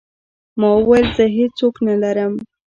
ما وويل زه هېڅ څوک نه لرم.